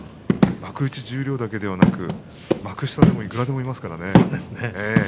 幕内、十両だけではなくて幕下でもいくらでもいますからね。